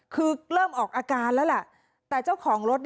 คือเริ่มออกอาการแล้วแหละแต่เจ้าของรถ